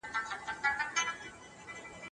دغه ولسوالي د سیمي په اقتصاد کي مهم رول لري.